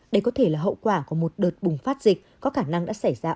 đây có thể là hậu quả của một đợt bùng phát dịch có khả năng đã xảy ra